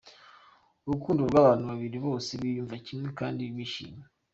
Urukundo ni urw’abantu babiri bose biyumva kimwe kandi bishimye.